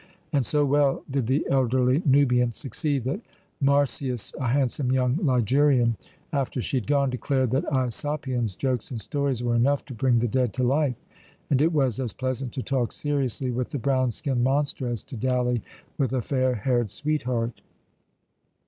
And so well did the elderly Nubian succeed that Marsyas, a handsome young Ligurian, after she had gone, declared that Aisopion's jokes and stories were enough to bring the dead to life, and it was as pleasant to talk seriously with the brown skinned monster as to dally with a fair haired sweetheart.